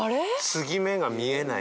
継ぎ目が見えない。